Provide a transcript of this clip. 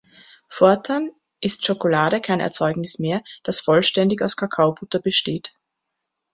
Fortan ist Schokolade kein Erzeugnis mehr, das vollständig aus Kakaobutter besteht.